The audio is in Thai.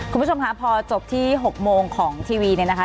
คุณผู้ชมค่ะพอจบที่๖โมงของทีวีเนี่ยนะคะ